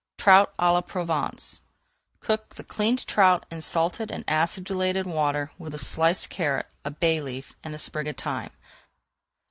TROUT À LA PROVENCE Cook the cleaned trout in salted and acidulated water with a sliced carrot, a bay leaf, and a sprig of thyme.